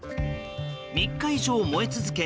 ３日以上燃え続け